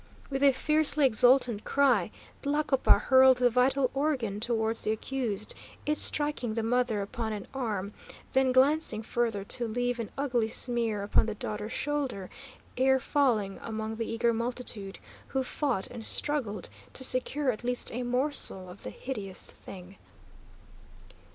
With a fiercely exultant cry Tlacopa hurled the vital organ towards the accused, it striking the mother upon an arm, then glancing further to leave an ugly smear upon the daughter's shoulder ere falling among the eager multitude, who fought and struggled to secure at least a morsel of the hideous thing.